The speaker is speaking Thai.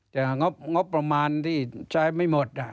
แต่งบประมาณที่ใช้ไม่หมด